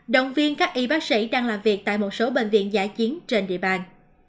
động viên các y bác sĩ đang làm việc tại một số bệnh viện giả chiến trên địa bàn